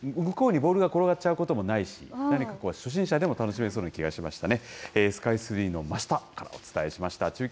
なんか、向こうにボールが転がっちゃうこともないし、何かこう、初心者でも楽しめそうな気がしましたね。